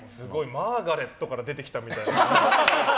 「マーガレット」から出てきたみたいな。